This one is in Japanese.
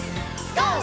ＧＯ！